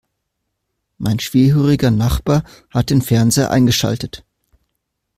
Mein schwerhöriger Nachbar hat den Fernseher eingeschaltet.